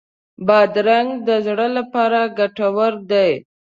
بادرنګ د زړه لپاره ګټور دی.